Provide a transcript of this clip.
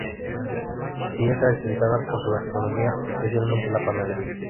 Y es caracterizada por su gastronomía, especialmente la panadería.